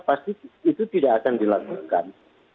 pasti itu tidak akan dilakukan